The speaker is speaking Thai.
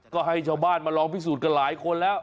ก็ให้ชาวบ้านมาลองพิสูจน์กันหลายคนแล้ว